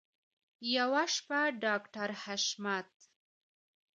یوه شپه ډاکټر حشمت